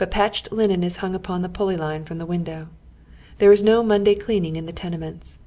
patched linen is luiiig upon the iniHej' line from the win dow. There is no Monday deaninj; in [he tenements.